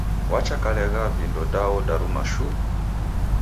Wachakaleghaa vindo da odaruma shuu!